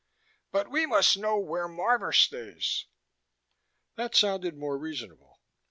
"But we must know where Marvor stays." That sounded more reasonable.